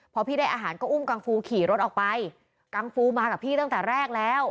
พอพี่ได้อาหารก็อุ้มกังฟูขี่รถออกไปกังฟูมากับพี่ตั้งแต่แรกแล้ว